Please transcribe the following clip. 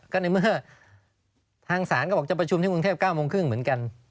ก็ในเมื่อทางศาลก็บอกจะประชุมที่กรุงเทพ๙โมงครึ่งเหมือนกัน